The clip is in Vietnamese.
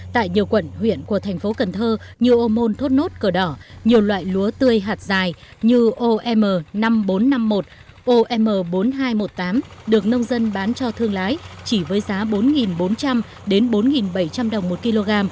tại nhiều quận huyện của thành phố cần thơ nhiều ô môn thốt nốt cờ đỏ nhiều loại lúa tươi hạt dài như om năm nghìn bốn trăm năm mươi một om bốn nghìn hai trăm một mươi tám được nông dân bán cho thương lái chỉ với giá bốn bốn trăm linh đến bốn bảy trăm linh đồng một kg